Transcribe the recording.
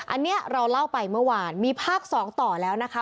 อันนี้เราเล่าไปเมื่อวานมีภาค๒ต่อแล้วนะคะ